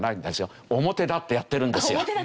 あっ表立ってやってるんですね。